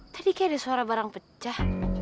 tadi kayak ada suara barang pecah